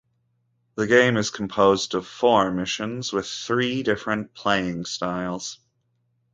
The game is composed of four missions with three different playing styles.